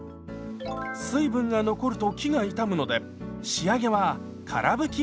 水分が残ると木が傷むので仕上げはから拭き綿タオルで。